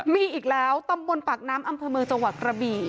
มีอีกแล้วตำบลปากน้ำอำเภอเมืองจังหวัดกระบี่